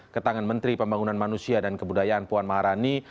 ke tangan menteri pembangunan manusia dan kebudayaan puan maharani